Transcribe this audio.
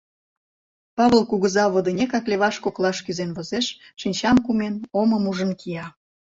Павыл кугыза водынекак леваш коклаш кӱзен возеш, шинчам кумен, омым ужын кия.